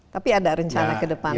tapi ada rencana kedepannya